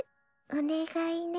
おねがいね。